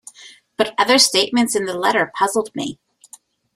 But other statements in the letter puzzled me.